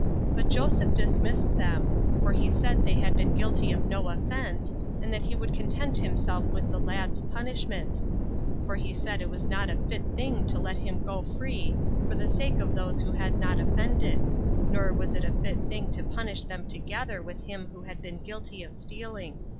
But Joseph dismissed them; for he said they had been guilty of no offense, and that he would content himself with the lad's punishment; for he said it was not a fit thing to let him go free, for the sake of those who had not offended; nor was it a fit thing to punish them together with him who had been guilty of stealing.